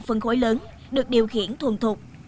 phân khối lớn được điều khiển thuần thuộc